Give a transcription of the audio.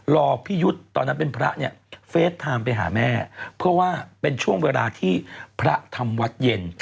พี่ยุทธ์ตอนนั้นเป็นพระเนี่ยเฟสไทม์ไปหาแม่เพื่อว่าเป็นช่วงเวลาที่พระทำวัดเย็น